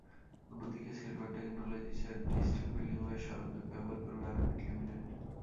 অন্যদিকে সিলভান টেকনোলজিসের steel building ও এর সরঞ্জাম ব্যবহার করবে আরামিট লিমিটেড।